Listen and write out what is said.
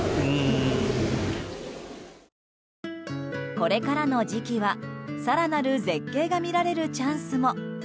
これからの時期は更なる絶景が見られるチャンスも。